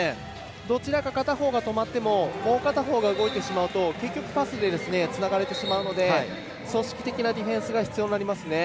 どちらか片方が止まってももう片方が動いてしまうと結局パスでつながれてしまうので組織的なディフェンスが必要になりますね。